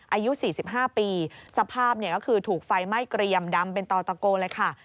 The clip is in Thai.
อายุ๔๕ปีสภาพก็คือถูกไฟไหม้เกรียมดำเป็นต่อตะโกเลยค่ะ